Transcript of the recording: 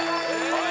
はい。